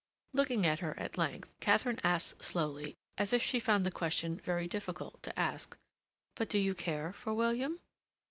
Looking at her at length, Katharine asked slowly, as if she found the question very difficult to ask. "But do you care for William?"